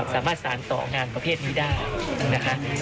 สามารถสารต่องานประเภทนี้ได้นะคะ